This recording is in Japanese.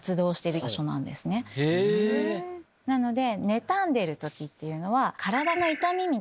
なので。